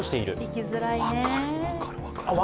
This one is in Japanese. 生きづらいね。